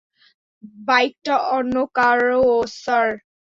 বাইকটা অন্য কার, স্যার।